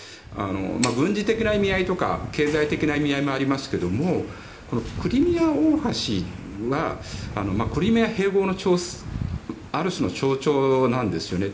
軍事的な意味合いとか経済的な意味合いもありますがクリミア大橋は、クリミア併合のある種の象徴なんですよね。